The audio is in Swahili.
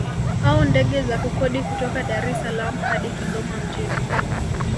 Au ndege za kukodi kutoka Dar es Salaam hadi Kigoma mjini